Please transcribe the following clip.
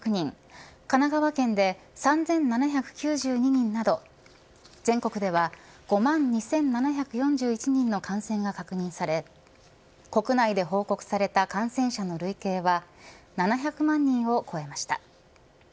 神奈川県で３７９２人など全国では５万２７４１人の感染が確認され国内で報告された感染者の累計は７００万人を超えました。